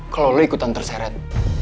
kalau lo ikutan terseret